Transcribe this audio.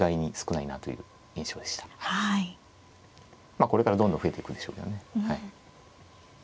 まあこれからどんどん増えていくんでしょうけどね。